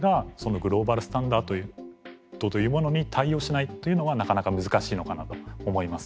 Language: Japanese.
グローバルスタンダードというものに対応しないというのはなかなか難しいのかなと思います。